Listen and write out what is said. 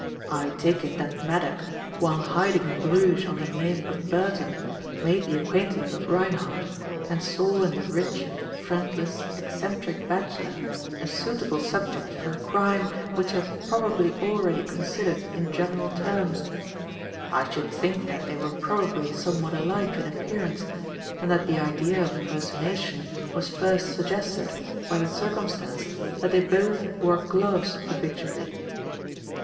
I take it that Maddock, while hiding in Bruges under the name of Burton, made the acquaintance of Reinhardt, and saw in the rich, friendless, eccentric bachelor a suitable subject for a crime which he had probably already considered in general terms. I should think that they were probably somewhat alike in appearance and that the idea of personation was first suggested by the circumstance that they both wore gloves habitually.